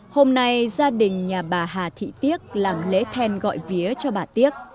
hôm nay gia đình nhà bà hà thị tiếc làm lễ then gọi vía cho bà tiếc